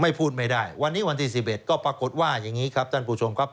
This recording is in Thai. พูดไม่ได้วันนี้วันที่๑๑ก็ปรากฏว่าอย่างนี้ครับท่านผู้ชมครับ